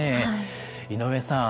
井上さん